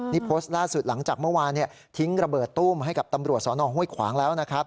นี่โพสต์ล่าสุดหลังจากเมื่อวานทิ้งระเบิดตู้มให้กับตำรวจสนห้วยขวางแล้วนะครับ